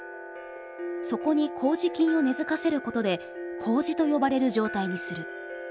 そこに麹菌を根づかせることで麹と呼ばれる状態にする。